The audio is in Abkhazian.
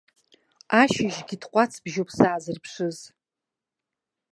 Ашьыжьгьы тҟәацбжьуп саазырԥшыз.